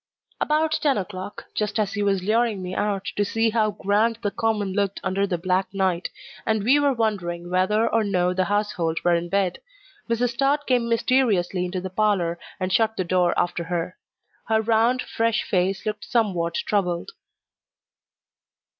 About ten o'clock just as he was luring me out to see how grand the common looked under the black night, and we were wondering whether or no the household were in bed Mrs. Tod came mysteriously into the parlour and shut the door after her. Her round, fresh face looked somewhat troubled.